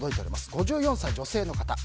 ５４歳、女性の方。